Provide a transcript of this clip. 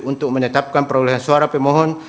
untuk menetapkan perolehan suara pemohon